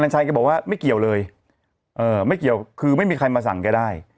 ชัยแกบอกว่าไม่เกี่ยวเลยไม่เกี่ยวคือไม่มีใครมาสั่งแกได้